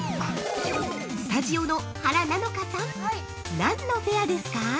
スタジオの原菜乃華さん何のフェアですか？